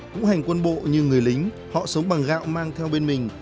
cũng hành quân bộ như người lính họ sống bằng gạo mang theo bên mình